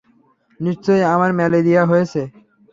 নিশ্চয়ই আমার ম্যালেরিয়া হয়েছে!